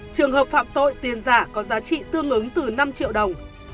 trường hợp phạm tội tiền giả có giá trị tương ứng từ năm triệu đồng